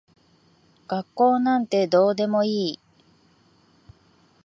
学校なんてどうでもいい。